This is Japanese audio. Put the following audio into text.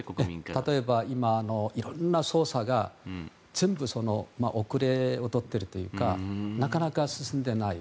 例えば今、いろんな捜査が全部遅れをとっているというかなかなか進んでいない。